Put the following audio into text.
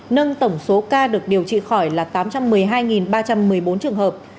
nâng tổng số ca được điều trị khỏi là tám trăm một mươi hai ba trăm một mươi bốn trường hợp